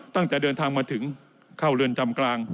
ตั้งแต่เดินทางมาถึงเข้าเรือนจำกลาง